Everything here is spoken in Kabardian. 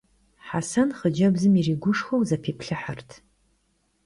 Хьэсэн хъыджэбзым иригушхуэу зэпиплъыхьырт.